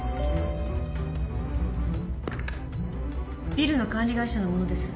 ビルの管理会社の者です。